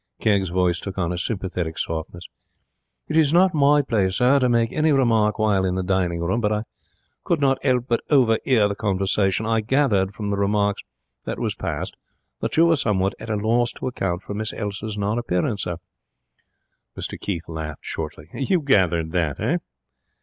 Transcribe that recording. Kegg's voice took on a sympathetic softness. 'It was not my place, sir, to make any remark while in the dining room, but I could not 'elp but hoverhear the conversation. I gathered from remarks that was passed that you was somewhat hat a loss to account for Miss Elsa's non appearance, sir.' Mr Keith laughed shortly. 'You gathered that, eh?'